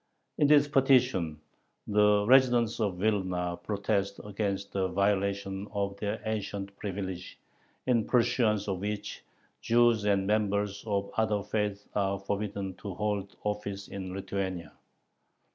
In this petition the residents of Vilna protest against the violation of their ancient privilege, in pursuance of which "Jews and members of other faiths are forbidden to hold office" in Lithuania.